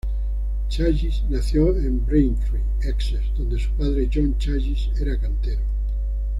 Challis nació en Braintree, Essex, donde su padre, John Challis, era cantero.